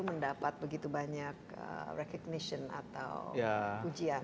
mendapat begitu banyak recognition atau ujian